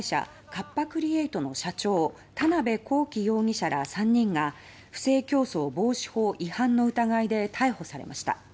カッパ・クリエイトの社長田邊公己容疑者ら３人が不正競争防止法違反の疑いで逮捕されました。